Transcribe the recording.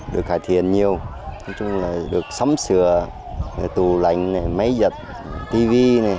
được cải thiện nhiều được sắm sửa tù lạnh máy giật tv